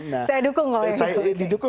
saya dukung kalau yang itu gitu ya